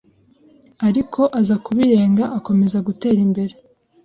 ariko aza kubirenga, akomeza gutera imbere